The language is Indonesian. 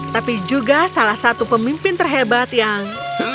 tapi juga salah satu pemimpin terhebat yang